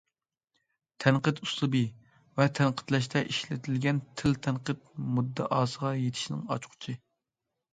تەنقىد ئۇسلۇبى ۋە تەنقىدلەشتە ئىشلىتىلگەن تىل تەنقىد مۇددىئاسىغا يېتىشنىڭ ئاچقۇچى.